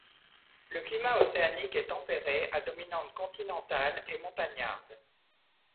Le climat océanique est tempéré, à dominante continentale et montagnarde.